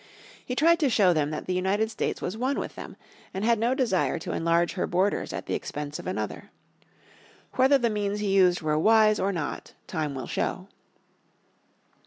He tried to show them that the United States was one with them, and had no desire to enlarge her borders at the expense of another. Whether the means he used were wise or not time will show.